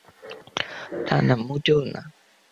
না, না, মোটেও না।